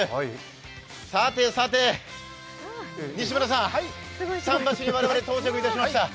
さてさて西村さん、桟橋に我々到着しました。